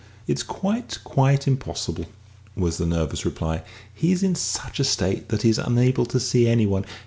"It's quite, quite impossible!" was the nervous reply. "He's in such a state that he's unable to see any one.